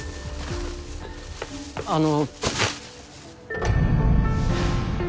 あの。